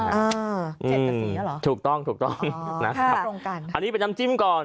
๗กับ๔แล้วเหรอถูกต้องนะครับอันนี้ไปจำจิ้มก่อน